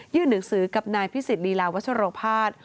ยื่นหนังสือกับนายพิสิทธิ์ลีลาวัชโรภาส